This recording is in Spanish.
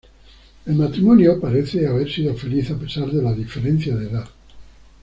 El matrimonio parece haber sido feliz a pesar de la diferencia de edad.